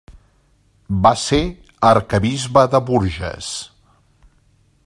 Va ser arquebisbe de Bourges.